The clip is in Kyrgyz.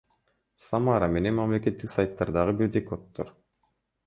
Самара менен мамлекеттик сайттардагы бирдей коддор